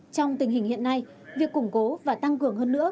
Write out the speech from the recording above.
trong tình hình hiện nay việc củng cố và tăng cường hơn nữa